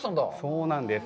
そうなんです。